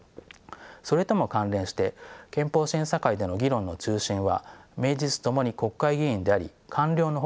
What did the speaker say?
それとも関連して憲法審査会での議論の中心は名実ともに国会議員であり官僚の補佐がほとんどありません。